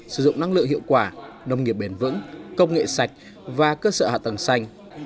sử dụng năng lượng hiệu quả nông nghiệp bền vững công nghệ sạch và cơ sở hạ tầng xanh